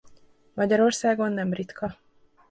Magyarországon nem ritka.